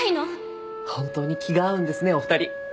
本当に気が合うんですねお二人。